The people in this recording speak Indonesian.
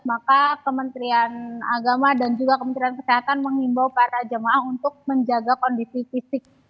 maka kementerian agama dan juga kementerian kesehatan mengimbau para jemaah untuk menjaga kondisi fisik